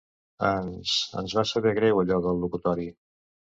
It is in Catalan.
Ens, ens va saber greu allò del locutori.